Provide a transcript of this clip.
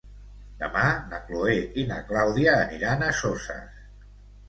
Demà na Chloé i na Clàudia aniran a Soses.